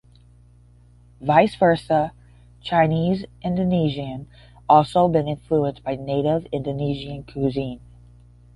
Vice versa, Chinese Indonesian also been influenced by native Indonesian cuisine.